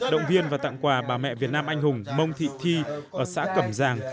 động viên và tặng quà bà mẹ việt nam anh hùng mông thị thi ở xã cẩm giàng